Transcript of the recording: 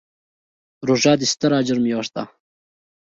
روژه د ستر اجر میاشت ده.